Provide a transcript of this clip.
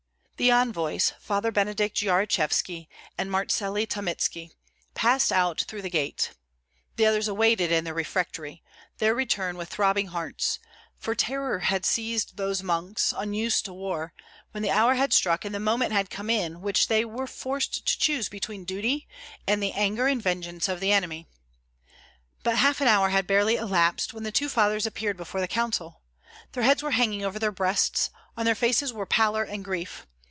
The envoys, Fathers Benedykt Yarachevski and Martseli Tomitski, passed out through the gate; the others awaited, in the refectory, their return with throbbing hearts, for terror had seized those monks, unused to war, when the hour had struck and the moment had come in which they were forced to choose between duty and the anger and vengeance of the enemy. But half an hour had barely elapsed when the two fathers appeared before the council. Their heads were hanging over their breasts, on their faces were pallor and grief.